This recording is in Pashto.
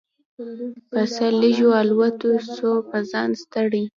په څه لږو الوتو سو په ځان ستړی